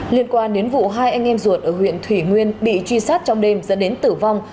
liên quan đến vụ hai anh em ruột ở huyện thủy nguyên bị truy sát trong đêm dẫn đến tử vong